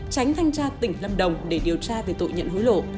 tránh thanh tra tỉnh lâm đồng để điều tra về tội nhận hối lộ